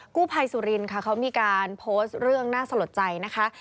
กู้ภัยสุรินค่ะเขามีการโพสต์เรื่องน่าสลดใจนะคะ